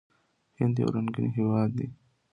هند یو رنګین هیواد دی.